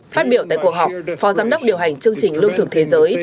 phát biểu tại cuộc họp phó giám đốc điều hành chương trình lương thực thế giới